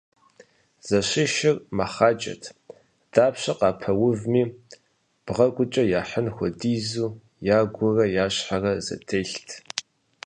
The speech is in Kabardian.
Зэшищыр мэхъаджэт, дапщэ къапэувми бгъэгукӀэ яхьын хуэдизу ягурэ я щхьэрэ зэтелът.